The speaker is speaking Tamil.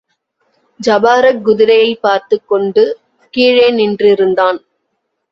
ஜபாரக் குதிரையைப் பார்த்துக் கொண்டு கீழே நின்றிருந்தான்.